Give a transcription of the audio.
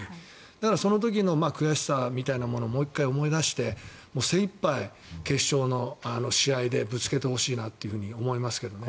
だから、その時の悔しさみたいなものをもう１回思い出して精いっぱい、決勝の試合でぶつけてほしいなと思いますけどね。